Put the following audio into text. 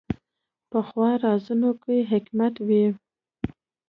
پخو رازونو کې حکمت وي